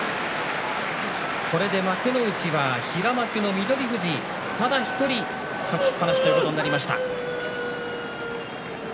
幕内は平幕の翠富士、ただ１人勝ちっぱなしということになりました。